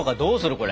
これ。